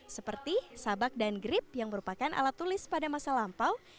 seperti sabak dan grip yang merupakan alat tulis pada masa lampau